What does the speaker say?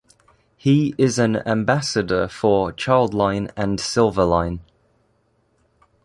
He is an Ambassador for Childline and Silverline.